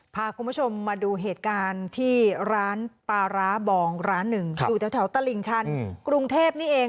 พาคุณผู้ชมมาดูเหตุการณ์ที่ร้านปลาร้าบองร้านหนึ่งอยู่แถวตลิ่งชันกรุงเทพนี่เอง